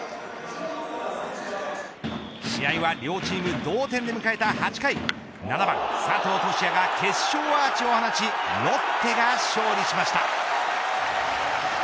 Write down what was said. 試合は両チーム同点で迎えた８回７番佐藤都志也が決勝アーチを放ちロッテが勝利しました。